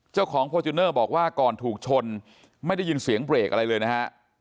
เจ้าของฟอร์จูเนอร์บอกว่าก่อนถูกชนไม่ได้ยินเสียงเบรกอะไรเลยนะฮะ